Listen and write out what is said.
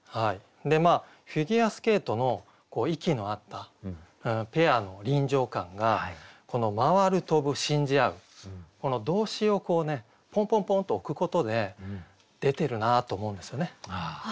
フィギュアスケートの息の合ったペアの臨場感がこの「回る跳ぶ信じ合ふ」動詞をこうねポンポンポンと置くことで出てるなと思うんですよね。